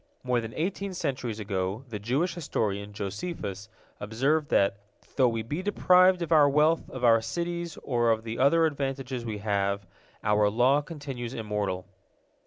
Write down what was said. More than eighteen centuries ago the Jewish historian Josephus observed that "though we be deprived of our wealth, of our cities, or of the other advantages we have, our law continues immortal."